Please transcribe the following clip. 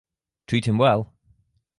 Treat him well!